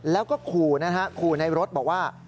แล้วก็ขู่ในรถบอกว่า